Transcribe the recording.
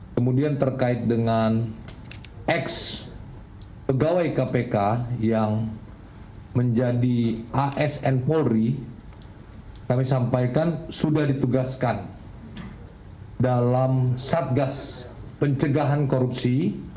kemudian terkait dengan ex pegawai kpk yang menjadi asn polri kami sampaikan sudah ditugaskan dalam satgas pencegahan korupsi